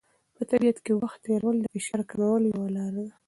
په طبیعت کې وخت تېرول د فشار کمولو یوه لاره ده.